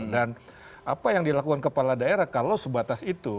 dan apa yang dilakukan kepala daerah kalau sebatas itu